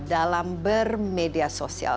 dalam bermedia sosial